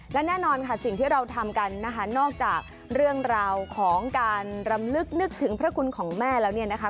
และแน่นอนค่ะสิ่งที่เราทำกันนะคะนอกจากเรื่องราวของการรำลึกนึกถึงพระคุณของแม่แล้วเนี่ยนะคะ